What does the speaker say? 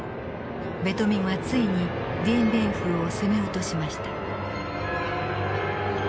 ベトミンはついにディエンビエンフーを攻め落としました。